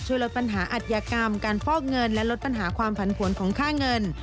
ช่วยลดปัญหาอัธยากรรมการฟอกเงินและลดปัญหาความผันผวนของค่าเงิน